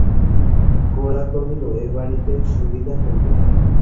গোরা কহিল, এ বাড়িতে সুবিধা হইবে না।